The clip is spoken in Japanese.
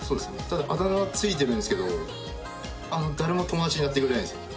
ただあだ名は付いてるんですけど誰も友達になってくれないんですよ。